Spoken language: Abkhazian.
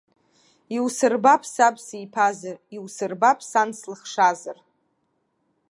Иусырбап саб сиԥазар, иусырбап сан слыхшазар!